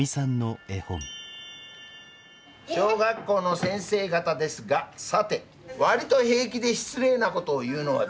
「小学校の先生方ですがさて割と平気で失礼なことを言うのはどの先生？」。